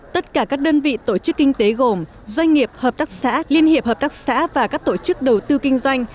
tất cả các đơn vị tổ chức kinh tế gồm doanh nghiệp hợp tác xã liên hiệp hợp tác xã và các tổ chức đầu tư kinh doanh